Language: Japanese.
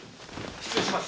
失礼します。